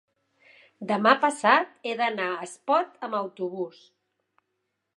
demà passat he d'anar a Espot amb autobús.